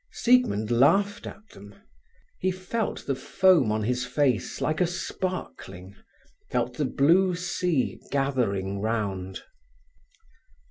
Siegmund laughed at them. He felt the foam on his face like a sparkling, felt the blue sea gathering round.